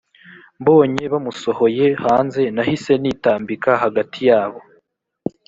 mbonye bamusohoye hanze nahise nitambika hagati yabo